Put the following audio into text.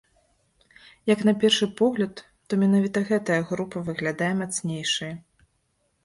Як на першы погляд, то менавіта гэтая група выглядае мацнейшай.